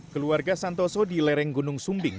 keluarga santoso di lereng gunung sumbing